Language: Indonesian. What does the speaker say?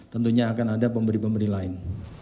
tentunya akan ada pemberi pemberi lain